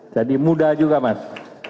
jadi muda juga mas